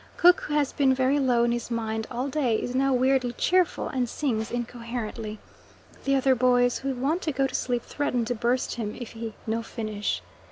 Cook who has been very low in his mind all day, is now weirdly cheerful, and sings incoherently. The other boys, who want to go to sleep, threaten to "burst him" if he "no finish."